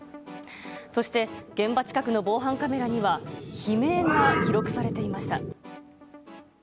そして現場近くの防犯カメラには悲鳴が記録されていました。